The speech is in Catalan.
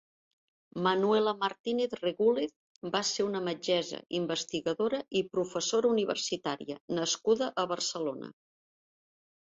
Manuela Martínez Regúlez va ser una metgessa, investigadora i professora universitària nascuda a Barcelona.